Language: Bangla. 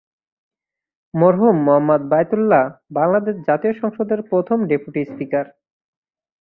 মরহুম মো:বয়তুল্লাহ, বাংলাদেশ জাতীয় সংসদের প্রথম ডেপুটি স্পীকার